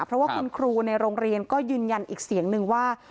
เพราะว่าคุณครูในโรงเรียนก็ยืนยันอีกเสียงนึงว่า